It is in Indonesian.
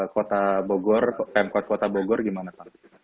kota bogor pemkot kota bogor gimana pak